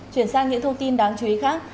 chuyển sang những thông tin đáng chú ý khác